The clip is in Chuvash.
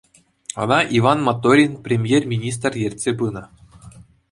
Ӑна Ивӑн Моторин премьер-министр ертсе пынӑ.